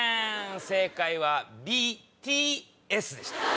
正解はＢＴＳでした。